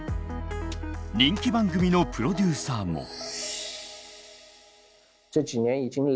人気番組のプロデューサーも。